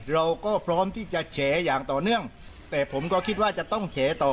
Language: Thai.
เราก็พร้อมที่จะแฉอย่างต่อเนื่องแต่ผมก็คิดว่าจะต้องแฉต่อ